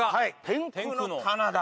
天空の棚田！